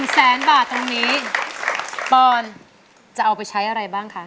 แสนบาทตรงนี้ปอนจะเอาไปใช้อะไรบ้างคะ